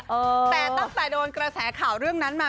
แต่ตั้งแต่โดนกระแสข่าวเรื่องนั้นมา